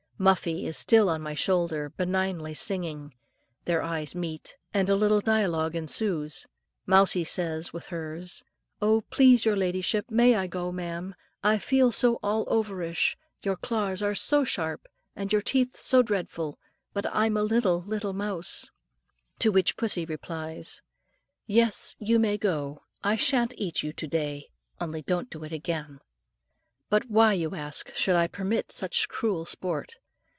Muffie is still on my shoulder, benignly singing. Their eyes meet, and a little dialogue ensues. Mousie says, with hers, "Oh! please, your ladyship, may I go, ma'am? I feel so all overish; your claws are so sharp, and your teeth so dreadful; and I'm but a little, little mouse." To which pussy replies, "Yes; you may go. I shan't eat you to day; only don't do it again." But why, you ask, should I permit such cruel sport?